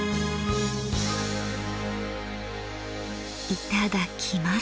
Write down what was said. いただきます。